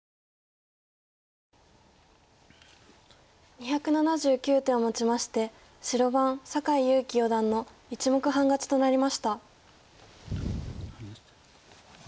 ２７９手をもちまして白番酒井佑規四段の１目半勝ちとなりました。